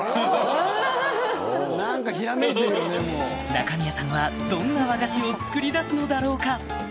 中宮さんはどんな和菓子を作り出すのだろうか？